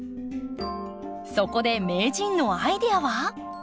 そこで名人のアイデアは？